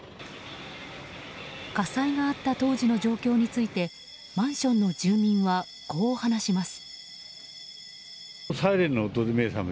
火災があった当時の状況についてマンションの住民はこう話します。